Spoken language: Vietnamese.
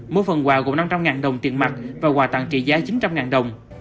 mỗi phần quà gồm năm trăm linh đồng tiền mặt và quà tặng trị giá chín trăm linh đồng